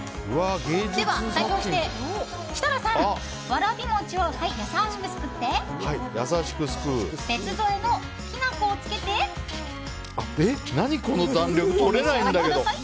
では代表して、設楽さんわらび餅を優しくすくって別添えのきな粉をつけてお召し上がりください。